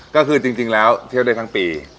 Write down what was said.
ก็คือจริงแล้วเที่ยวได้ทั้งปี